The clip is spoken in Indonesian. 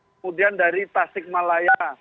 kemudian dari tasik malayan